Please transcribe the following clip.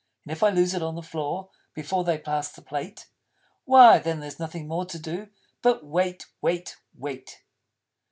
And if I lose it on the floor Before they pass the Plate, Why then there's nothing more to do But wait wait wait.